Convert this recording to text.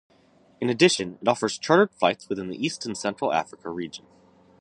In addition, it offers chartered flights within the East and Central Africa Region.